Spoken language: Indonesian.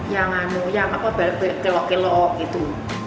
yang anu anyu yang kelok kelok gitu